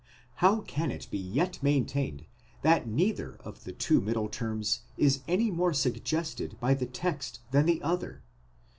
How can it be yet maintained that neither of the two middle terms is any more suggested by the text than the other?